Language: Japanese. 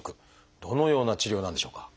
どのような治療なんでしょうか？